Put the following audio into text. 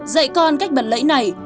dạy con cách bật lấy này